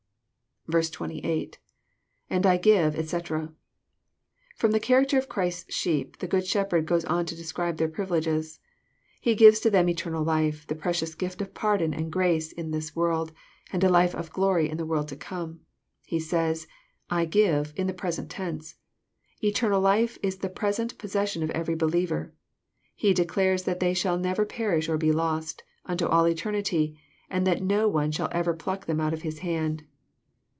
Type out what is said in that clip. . ^lAnd I give, etc."] From the character of Christ's sheep, the Good Shepherd goes on to describe their privileges. He gives to them eternal life, the precious gift of pardon and grace in this world, and a life of glory in the world to come. — He says, *^ I give," in the present tense. Eternal life is the present pos session of every believer. He declares that they shall never perish or be lost, unto all eternity ; and that no one shall ever pluck them out of His hand.